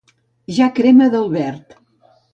Ja crema del verd.